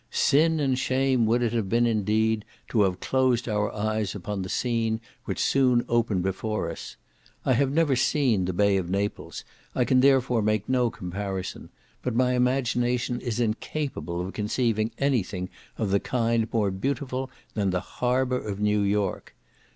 Sin and shame would it have been, indeed, to have closed our eyes upon the scene which soon opened before us. I have never seen the bay of Naples, I can therefore make no comparison, but my imagination is incapable of conceiving any thing of the kind more beautiful than the harbour of New York.